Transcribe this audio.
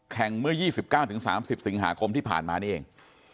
เมื่อ๒๙๓๐สิงหาคมที่ผ่านมานี่เอง